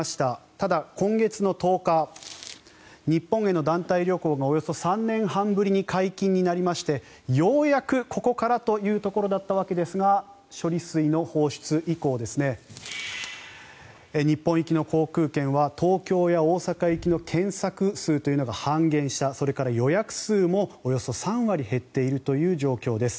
ただ、今月の１０日日本への団体旅行がおよそ３年半ぶりに解禁になりましてようやくここからというところだったわけですが処理水の放出以降日本行きの航空券は東京や大阪行きの検索数というのが半減したそれから予約数もおよそ３割減っているという状況です。